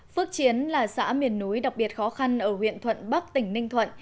phước chiến là xã miền núi đặc biệt khó khăn ở huyện thuận bắc tỉnh ninh thuận